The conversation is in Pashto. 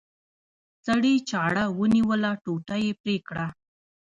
سړي چاړه ونیوله ټوټه یې پرې کړه.